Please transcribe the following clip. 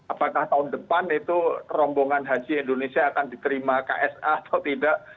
apakah tahun depan itu rombongan haji indonesia akan diterima ksa atau tidak